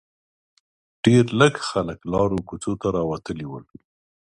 ډېر لږ خلک لارو کوڅو ته راوتلي ول.